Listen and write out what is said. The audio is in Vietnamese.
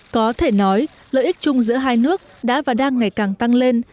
có thể nói lợi ích chung giữa hai nước đã và đang ngày càng tăng lên